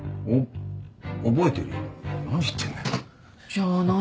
じゃあ何？